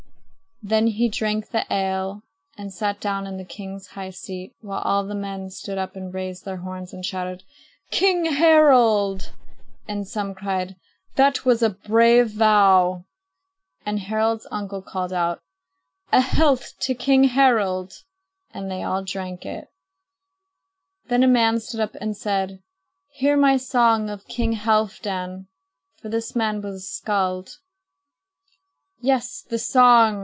Then he drank the ale and sat down in the king's high seat, while all the men stood up and raised their horns and shouted: "King Harald!" And some cried: "That was a brave vow." [Illustration: "I vow that I will grind my father's foes under my heel"] And Harald's uncle called out: "A health to King Harald!" And they all drank it. Then a man stood up and said: "Hear my song of King Halfdan!" for this man was a skald. "Yes, the song!"